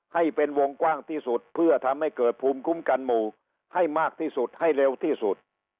ให้เป็นวงกว้างที่สุดเพื่อทำให้เกิดภูมิคุ้มกันหมู่ให้มากที่สุดให้เร็วที่สุด